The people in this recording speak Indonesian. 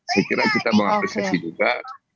saya kira kita mengapresiasi juga